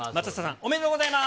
ありがとうございます。